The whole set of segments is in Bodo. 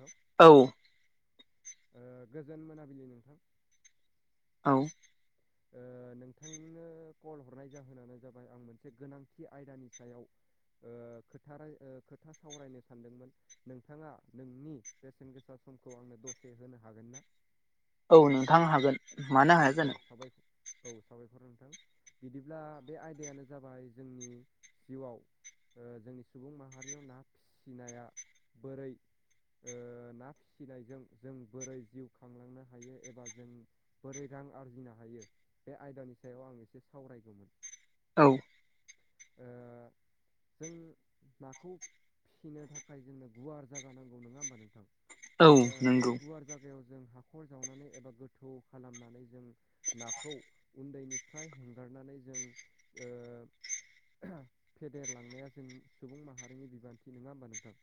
औ औ ओ गोजोन मोनाबिलि नोंथां। औ ओ नोंथांनो कल हरनाय जाहोनानो जाबाय आं मोनसे गोनांथि आयदानि सायाव ओ खोथा राय ओ खोथा सावरायनो सानदोंमोन नोंथाङा नोंनि बेसेन गोसा समखौ आंनो दसे होनो हागोन ना? औ नोंथां हागोन मानो हाया जानो। साबाय औ साबायखर नोंथां। बिदिब्ला बे आयदायानो जाबाय जोंनि जिउआव ओ जोंनि सुबुं माहारियाव ना फिसिनाया बोरै ओ ना फिसिनायजों जों बोरै जिउ खांलांनो हायो एबा जों बोरै रां आरजिनो हायो बे आयदानि सायाव आं एसे सावरायगौमोन। औ ओ जों नाखौ फिसिनो थाखाय जोंनो गुवार जागा नांगौ नङा होमबा नोंथां? औ ओ बै नंगौ गुवार जायगायाव जों हाखर जावनानै एबा गोथौ खालामनानै जों नाखौ उन्दैनिफ्राय हेंगारनानै जों ओ फेदेरलांनाया जों सुबुं माहारिनि बिबान्थि नङा होमबा नोंथां?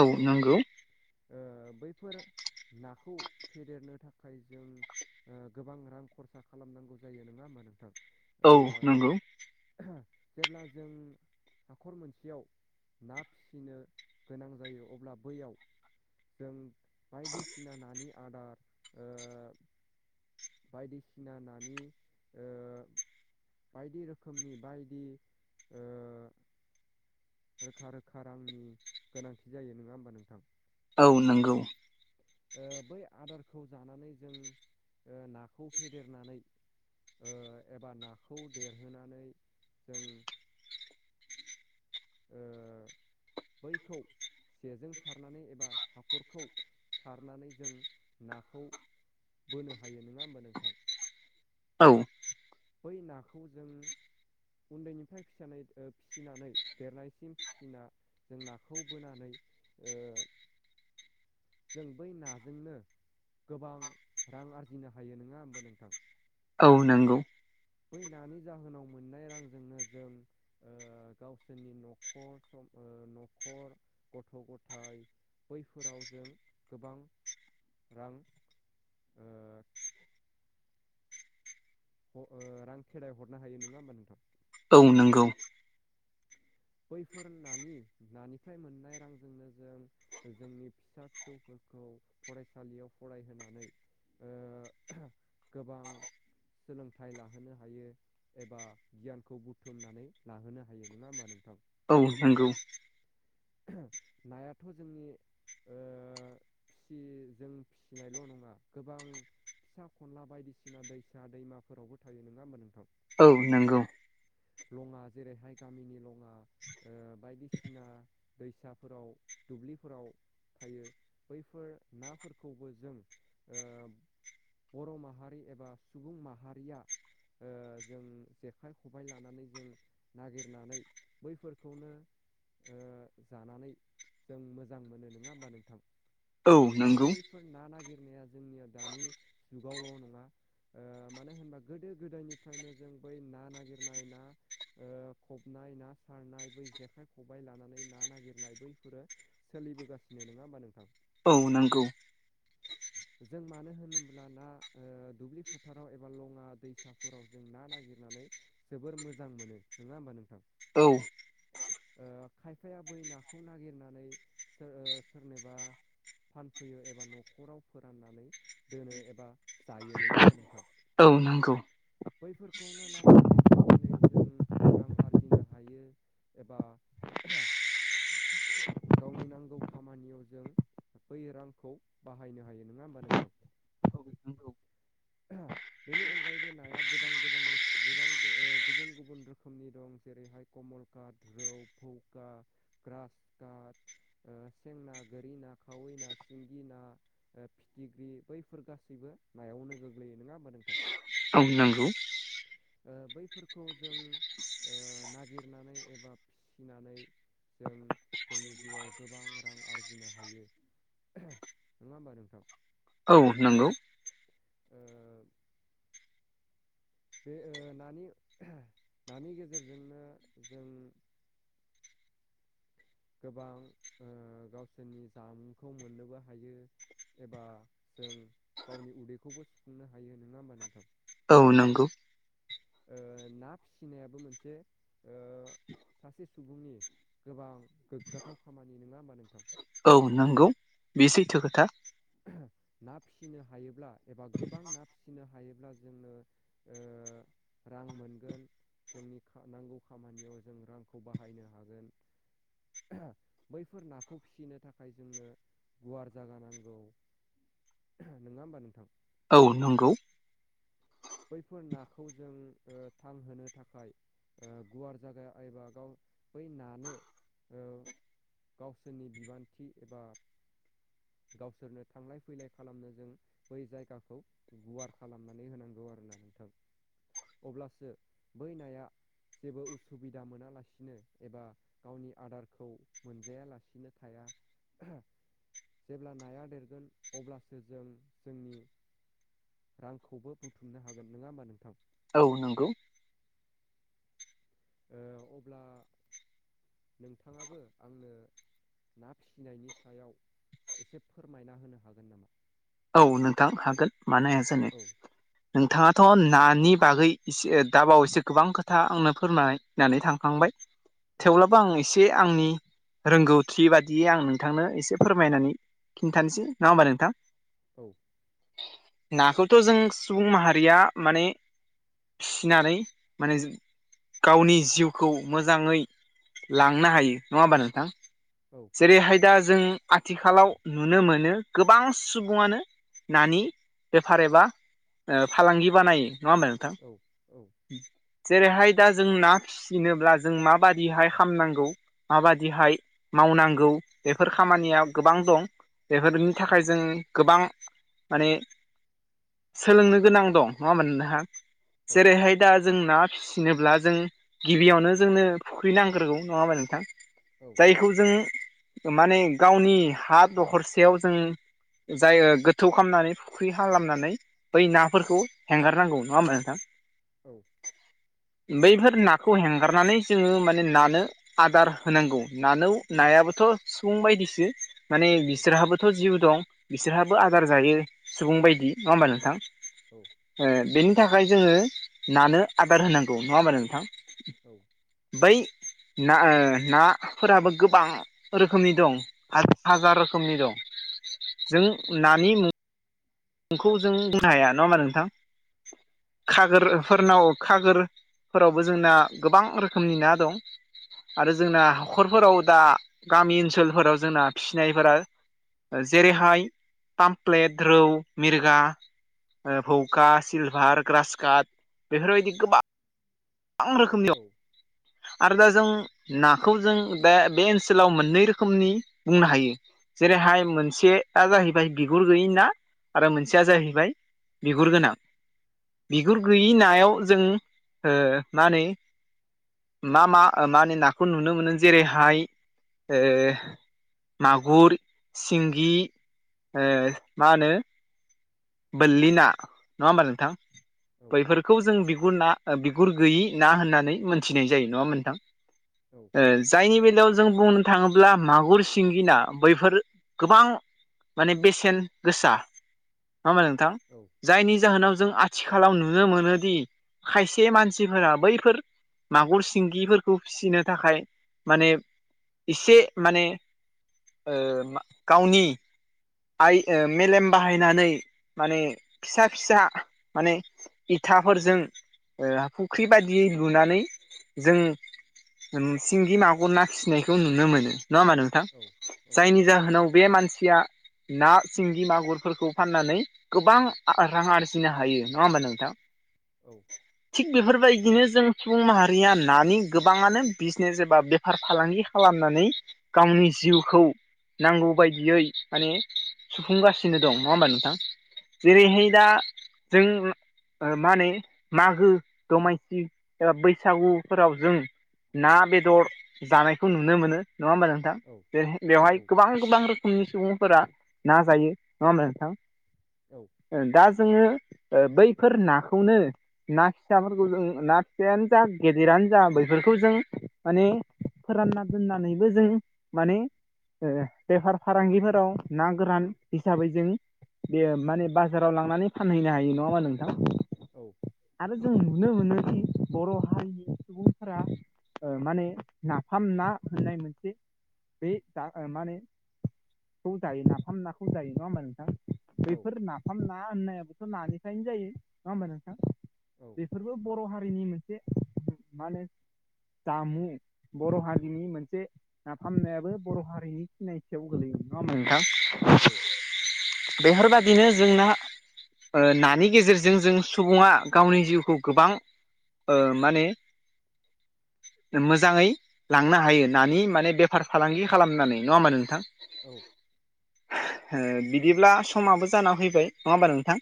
औ नोंगौ ओ बैफोर नाखौ फेदेरनो थाखाय जों ओ गोबां रां खरसा खालामनांगौ जायो नङा होमा नोंथां? ओ औ नंगौ जेब्ला जों हाखर मोनसेयाव ना फिसिनो गोनां जायो अब्ला बैयाव जों बायदिसिना नानि आदार ओ बायदिसिना नानि ओ बायदि रोखोमनि बायदि ओ रोखा रोखा रांनि गोनांथि जायो नङा होमबा नोंथां? औ नंगौ ओ बै आदारखौ जानानै जों ओ नाखौ फेदेरनानै ओ एबा नाखौ देरहोनानै जों ओ बैखौ जेजों सारनानै एबा हाखरखौ सारनानै जों नाखौ बोनो हायो नङा होमबा नोंथां औ बै नाखौ जों उन्दैनिफ्राय फिसानाय ओ फिसिनानै देरनायसिम फिसिना जों नाखौ बोनानै ओ जों बै नाजोंनो गोबां रां आरजिनो हायो नङा होमबो नोंथां? औ नंगौ फै नानि जाहोनाव मोननाय रांजोंनो जों ओ गावसोरनि न'खर सम न'खर गथ' गथाइ बैफोराव जों गोबां रां ओ अ ओ रां खेराय हरनो हायो नङा होमबा नोंथां? औ नंगौ बैफोर नानि नानिफ्राय मोननाय रांजोंनो जों जोंनि फिसा फिसौफोरखौ फरायसालियाव फरायहोनानै ओ गोबां सोलोंथाइ लाहोनो हायो एबा गियानखौ बुथुमनानै लाहोनो हायो नङा होमबा नोंथां? औ नंगौ नायाथ' जोंनि ओ दि जों फिसिनायल' नङा गोबां फिसा खनला बायदिसिना दैसा दैमाफोरावबो थायो नङा होमबा नोंथां औ नंगौ लङा जेरैहाय गामिनि लङा ओ बायदिसिना दैसाफोराव दुब्लिफोराव थायो बैफोर नाफोरखौबो जों ओ बर' माहारि एबा सुबुं माहारिया ओ जों जेखाइ खबबाय लानानै जों नागिरनानै बैफोरखौनो ओ जानानै जों मोजां मोनो नङा होमबा नोंथां औ आरो नंगौ बै फोर ना नागिरनाया जोंनिया दानि जुगावल' नङा ओ मानो होनबा गोदो गोदायनिफ्रायनो जों बै ना नागिरनाय ना ओ खबनाय ना सारनाय बै जेखाइ खबाइ लानानै ना नागिरनाय बैफोरो सोलिबोगासिनो नङा होमबा नोंथां औ नंगौ जों मानो होनोब्ल ना दुब्लि फोथाराव एबा लङा दैसा फोराव जों ना नागिरनानै जोबोर मोजां मोनो नङा होमबा नोंथां औ खायफाया बै नाखौ नागिरनानै सोरनिबा फानफैयो एबा न'खराव फोराननानै दोनो एबा जायो नोङा होमबा नोंथां औ नंगौ बैफोरखौनो लाबोनानै फाननानै जों रां आरजिनो हायो एबा गावनि नांगौ खामानियाव जों बै रांखौ बाहायनो हायो नङा होमबा नोंथां [inaudible] [unintelligible] बेनि अनगायैबो नाया गोबां गोबां गुबुन गुबुन रोखोमनि दं जेरैहाय कमलकाट रौ फौका ग्रास काट सेंना गारि ना खावै ना सिंगि ना फिथिग्रि बैफोर गासैबो नायावनो गोग्लैयो नङा होमबा नोंथां नोंगौ ओ बैफोरखौ जों ओ नागिरनानै एबा फिनानै जों जोंनि जिउआव गोबां रां आरजिनो हायो नङा होमबा नोंथां औ नंगौ ओ बे नानि नानि गेजेरजोंनो जों गोबां ओ गावसोरनि जामुंखौ मोननोबो हायो एबा जों गावनि उदैखौबो सुफुंनो हायो नङा होमबा नोंथां औ नोंगौ ना फिसिनायाबो मोनसे ओ सासे सुबुंनि गोबां गोग्गाथाव खामानि नङा होमबा नोंथां औ नंगौ बे सैथो खोथा ना फिसिनो हायोब्ला एबा गोबां ना फिसिनो हायोब्ला जोंनो ओ रां मोनगोन जोंनि नांगौ खामानियाव जों रांखौ बाहायनो हागोन बैफोर नाखौ फिसिनो थाखाय जोंनो गुवार जागा नांगौ नङा होमबा नोंथां औ नंगौ बैफोर नाखौ जों थांहोनो थाखाय ओ गुवार जागा एबा गाव बै नानो ओ गावसोरनि बिबान्थि एबा गावसोरनो थांलाय फैलाय खालामनो जों बै जायगाखौ गुवार खालामनानै होनांगौ आरोना नोंथां अब्लासो बै नाया जेबो उसुबिदा मोनालासिनो एबा गावनि आदारखौ मोनजायालासिनो थाया जेब्ला नाया देरगोन अब्लासो जों जोंनि रांखौबो बुथुमनो हागोन नङा होमबा नोंथां औ नंगौ ओ अब्ला नोंथाङाबो आंनो ना फिसिनायनि सायाव एसे फोर मायना होनो हागोन नामा औ नोंथां हागोन मानो हाया जानो औ नोंथाङाथ नानि बागै एसे दाबाव एसे गोबां खोथा आंनो फोरमायनानै थांखांबाय [inaudible] थेवब्लाबो आं एसे आंनि रोंगौथि बादियै आं नोंथांनो एसे फोरमायनानै खिन्थानोसै नङा होमबा नोंथां औ नाखौथ' जों सुबुं माहारिया माने फिसिनानै माने गावनि जिउखौ मोजाङै लांनो हायो नङा होमबा नोंथां औ जेरैहाय दा जों आथिखालाव नुनो मोनो गोबां सु सुबुङानो नानि बेफार एबा फालांगि बानायो नङा होनबा नोंथां औ औ जेरैहाय दा जों ना फिसिनोब्ला जों माबादिहाय हामनांगौ माबादिहाय मावनांगौ बेफोर खामानिया गोबां दं बेफोरनि थाखाय जों गोबां माने सोलोंनो गोनां दं नङा [unintelligible] औ जेरैहाय दा जों ना फिसिनोब्ला जों गिबियावनो जोंनो फुख्रै नांग्रोगौ नङा होमबा नोंथां औ जायखौ जों माने गावनि हा दखरसेयाव जों जाय ओ गोथौ खालामनानै फुख्रि खालामनानै बै नाफोरखौ हेंगारनांगौ नङा होमबा नोंथां औ बैफोर नाखौ हेंगारनानै जोङो माने नानो आदार होनांगौ नानो औ नायाबोथ' सुबुं बायदिसो माने बिसोरहाबोथ' जिउ दं बिसोरहाबो आदार जायो सुबुं बायदि नङा होमबा नोंथां औ ओ बेनि थाखाय जोङो नानो आदार होनांगौ नङा होमबा नोंथां औ बै ना ओ नाफोराबो गोबां रोखोमनि दं हाजार रोखोमनि दं जों नानि मुं नोंखौ जों बुंनो हाया नङा होनबा नोंथां खागोरफोरनाव खागोरफोरावबो जोंना गोबां रोखोमनि ना दं आरो जोंना हाखरफोराव दा गामि ओनसोलफोराव जोंना फिसिनायफोरा जेरैहाय तामफ्लेट रौ मिरगा फौखा सिलभार ग्रासकाट बेफोरबायदि गोबां गोबां रोखोमनि औ आरो दा जों नाखौ जों दा बे ओनसोलाव मोननै रोखोमनि बुंनो हायो जेरैहाय मोनसेया जाहैबाय बिगुर गैयि ना आरो मोनसेया जाहैबाय बिगुर गोनां बिगुर गैयि नायाव जों ओ मा होनो मा मा मा होनो नाखौ नुनो मोनो जेरैहाय ओ मागुर सिंगि ओ मा होनो बोरलि ना नङा होमबा नोंथां बैफोरखौ जों बिगुर ना बिगुर गैयि ना होननानै मोनथिनाय जायो नङा होनबा नोंथां औ ओ जायनि बेलायाव जों बुंनो थाङोब्ला मागुर सिंगि ना बैफोर गोबां माने बेसेन गोसा नङा होनबा नोंथां औ जायनि जाहोनाव जों आथिखालाव नुनो मोनोदि खायसे मानसिफोरा बैफोर मागुर सिंगिफोरखौ फिसिनो थाखाय माने एसे माने ओ गावनि आइ मेलेम बाहायनानै माने फिसा फिसा माने इथाफोरजों फुख्रि बायदियै लुनानै जों सिंगि मागुर ना फिसिनायखौ नुनो मोनो नङा मा नों औ जायनि जाहोनाव बे मानसिया ना सिंगि मागुरफोरखौ फाननानै गोबां रां आरजिनो हायो नङा होमबा नोंथां औ थिग बेफोरबायदिनो जों सुबुं माहारिया नानि गोबाङानो बिजनेस एबा बेफार फालांगि खालामनानै गावनि जिउखौ नांगौ बायदियै माने सुफुंगासिनो दं नङा होमबा नोंथां जेरैहाय दा जों मा होनो मागो दमासि एबा बैसागुफोराव जों ना बेदर जानायखौ नुनो मोनो नङा होमबा जों थ बेवहाय गोबां गोबां रोखोमनि सुबुंफोरा ना जायो नङा होमब्ला नोंथां औ दा जोङो बैफोर नाखौनो ना फिसाफोरखौ जों ना फिायानो जा गेदेरानो जा बैफोरखौ जों माने फोरानना दोननानैबो जों माने बेफार फालांगिफोराव ना गोरान हिसाबै जों बेयो माने बाजाराव लांनानै फानहैनो हायो नङामा नोंथां औ आरो जों मोनो मोन बर' हारिनि सुबुंफोरा माने नाफाम ना होननाय मोनसे बे द मानेखौ जायो नाफाम नाखौ जायो नङा होमा नोंथां बैफोर नाफाम ना होननायाबोथ' नानिफ्रायनो जायो नङा होमबा नोंथां औ बेफोरबो बर' हारिनि मोनसे मा होनो जामुं बर' हारिनि मोनसे नाफामनायाबो बर' हारिनि सिनायथियाव गोलैयोमोन नङा नोंथां औ बेफोरबायादिनो जोंना नानि गेजेरजों जों सुबुङा गावनि जिउखौ गोबां माने मोजाङै लांनो हायो नानि माने बेफार फालांगि खालामनानै नङा होनबा नोंथां औ बिदिब्ला समाबो जाना फैबाय नङा होमबा नोंथां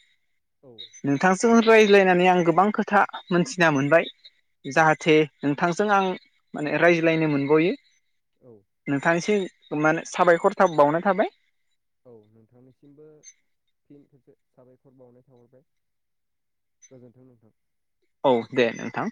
औ नोंथांजों रायज्लायनानै आं गोबां खोथा मोनथिना मोनबाय जाहाथे नोंथांजों आं माने रायज्लायनो मोनबावयो औ नोंथां एसे मान साबायखर थ बावनाय थाबाय औ नोंथांनिसिमबो फिन खसे साबायखर बावनाय थाहरबाय गोजोन्थों नोंथां औ दे नोंथां